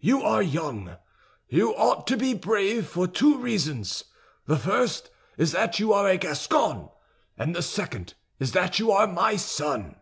You are young. You ought to be brave for two reasons: the first is that you are a Gascon, and the second is that you are my son.